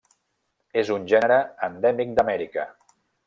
És un gènere endèmic d'Amèrica.